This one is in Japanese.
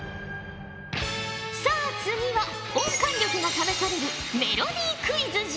さあ次は音感力が試されるメロディクイズじゃ。